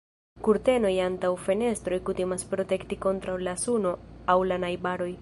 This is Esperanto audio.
Kurtenoj antaŭ fenestroj kutimas protekti kontraŭ la suno aŭ la najbaroj.